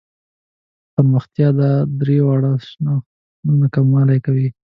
د پرمختیا دا درې واړه شاخصونه کموالي کوي.